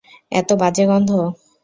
এতো বাজে গন্ধ।